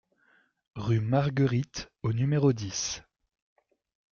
Rue Marguerite au numéro dix